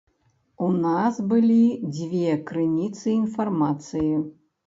У нас былі дзве крыніцы інфармацыі.